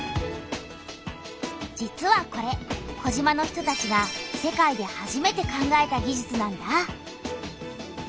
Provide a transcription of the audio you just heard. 実はこれ児島の人たちが世界で初めて考えた技術なんだ。